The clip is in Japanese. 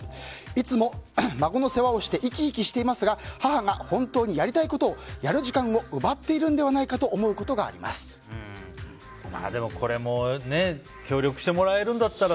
いつも孫の世話をして生き生きしていますが母が本当にやりたいことをやる時間を奪っているのではないかと始まりましたＯｎｅＤｉｓｈ。